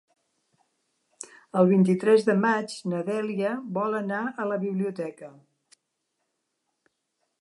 El vint-i-tres de maig na Dèlia vol anar a la biblioteca.